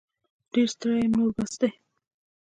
ډير ستړې یم نور بس دی